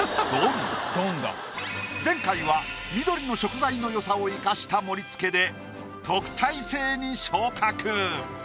前回は緑の食材の良さを生かした盛り付けで特待生に昇格。